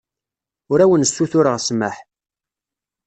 Ur awen-ssutureɣ ssmaḥ.